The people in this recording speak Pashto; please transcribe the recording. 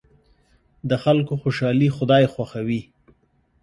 د خلکو خوشحالي خدای خوښوي.